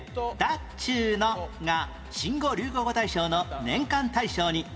っちゅーの」が新語・流行語大賞の年間大賞に